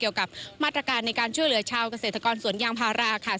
เกี่ยวกับมาตรการในการช่วยเหลือชาวเกษตรกรสวนยางพาราค่ะ